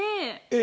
え？